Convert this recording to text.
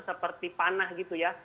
seperti panah gitu ya